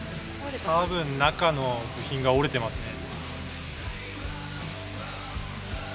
多分中の部品が折れてますね。